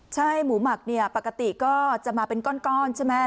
ใช่หมูหมักเนี่ยปกติก็จะมาเป็นก้อนใช่ไหม